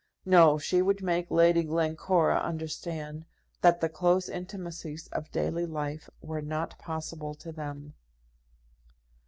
No; she would make Lady Glencora understand that the close intimacies of daily life were not possible to them!